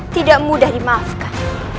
tidak mudah dimaafkan